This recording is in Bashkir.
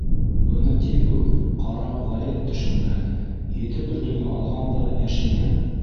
Быны тиҙ үк ҡараҡ Валет төшөнгән — Ете бөртөгөн алған да йәшенгән.